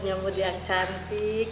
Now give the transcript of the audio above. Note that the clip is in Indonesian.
nyamud yang cantik